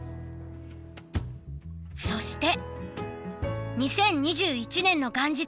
そして２０２１年の元日。